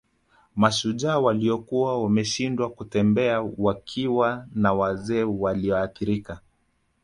Mashujaa waliokuwa wameshindwa kutembea wakiwa na wazee walioathirika